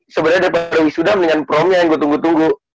sebenernya daripada wisuda mendingan perongka yang gue tunggu tunggu